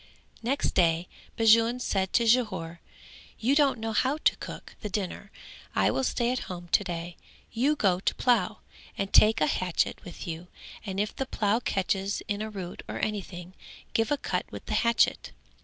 Next day Bajun said to Jhore, "You don't know how to cook the dinner; I will stay at home to day, you go to plough, and take a hatchet with you and if the plough catches in a root or anything, give a cut with the hatchet."